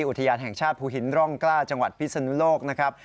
อุทยานแห่งชาติภูหินร่องกล้าจังหวัดพิศนุโลกนะครับ